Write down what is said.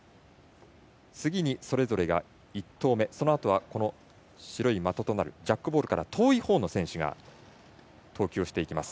次にそれぞれが１投目そのあとは、白い的となるジャックボールから遠いほうの選手が投球していきます。